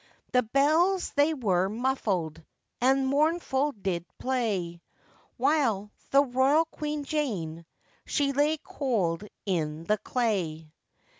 The bells they were muffled, And mournful did play, While the royal Queen Jane She lay cold in the clay.